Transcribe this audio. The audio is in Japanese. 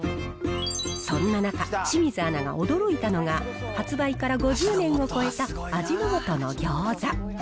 そんな中、清水アナが驚いたのが、発売から５０年を超えた、味の素の餃子。